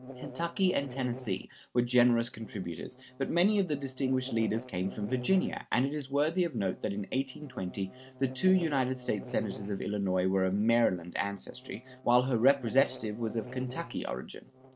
Kentucky and Tennessee were generous contributors, but many of the distinguished leaders came from Virginia, and it is worthy of note that in 1820 the two United States Senators of Illinois were of Maryland ancestry, while her Representative was of Kentucky origin.